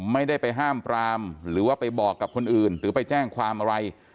ไม่ได้ไปห้ามปรามหรือว่าไปบอกกับคนอื่นหรือไปแจ้งความอะไร